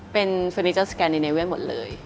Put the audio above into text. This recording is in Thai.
เป็นเฟอร์นิเจอร์สแกนดีเนเวทหมดเลย